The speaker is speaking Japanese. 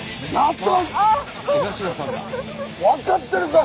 分かってるか？